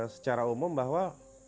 secara umum bahwa